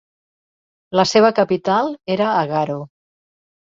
La seva capital era Agaro.